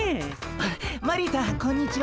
あっマリーさんこんにちは。